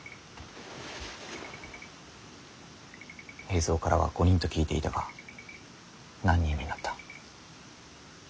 平三からは５人と聞いていたが何人になった。